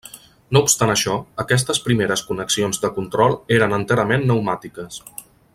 No obstant això, aquestes primeres connexions de control eren enterament pneumàtiques.